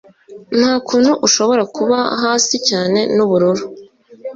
Nta kuntu ushobora kuba hasi cyane nubururu